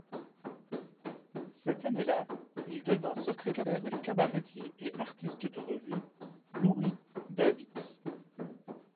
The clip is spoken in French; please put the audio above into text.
Cette année-là, il devint secrétaire du cabaretier et artiste de revue Louis Davids.